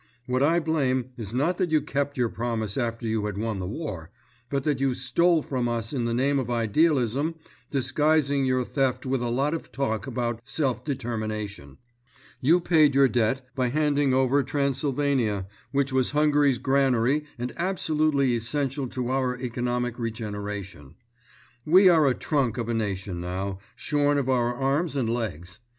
What I blame is not that you kept your promise after you had won the war, but that you stole from us in the name of idealism, disguising your theft with a lot of talk about self determination. You paid your debt by handing over Transylvania, which was Hungary's granary and absolutely essential to our economic regeneration. We are a trunk of a nation now, shorn of our arms and legs.